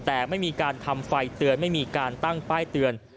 แต่ไม่มีการทำไฟเตือนไม่มีการตั้งป้ายเตือน